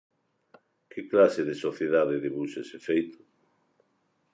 Que clase de sociedade debuxa ese feito?